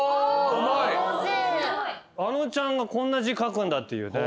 あのちゃんがこんな字書くんだっていうね。